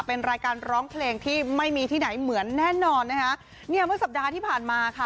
เป็นรายการร้องเพลงที่ไม่มีที่ไหนเหมือนแน่นอนนะคะเนี่ยเมื่อสัปดาห์ที่ผ่านมาค่ะ